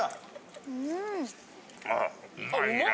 ・うん。